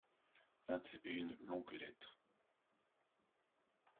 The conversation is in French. Vingt et une longues lettres.